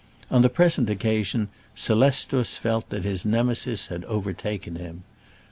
On the present occasion Scelestus felt that his Nemesis had overtaken him.